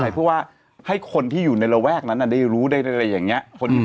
เพราะว่าให้คนที่อยู่ในระแวกนั้นได้รู้ได้อะไรอย่างนี้